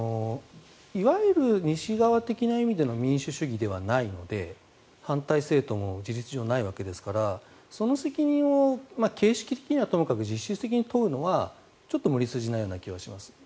いわゆる西側的な意味での民主主義ではないので反対政党も事実性ないわけですからその責任を実質的に問うのはちょっと無理筋なような気はします。